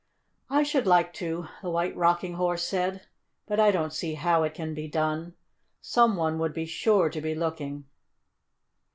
"I should like to," the White Rocking Horse said; "but I don't see how it can be done. Some one would be sure to be looking."